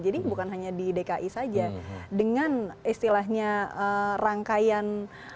jadi bukan hanya di dki saja dengan istilahnya rangkaian